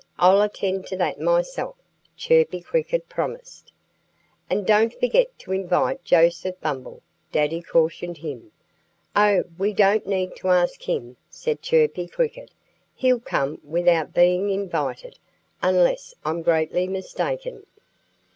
I'll attend to that myself," Chirpy Cricket promised. "And don't forget to invite Joseph Bumble!" Daddy cautioned him. "Oh! we don't need to ask him," said Chirpy Cricket. "He'll come without being invited, unless I'm greatly mistaken."